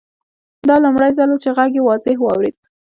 دا لومړی ځل و چې غږ یې واضح واورېد